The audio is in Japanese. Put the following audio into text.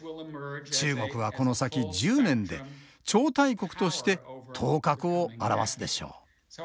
中国はこの先１０年で超大国として頭角を現すでしょう。